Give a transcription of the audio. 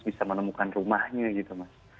bisa menemukan rumahnya gitu mas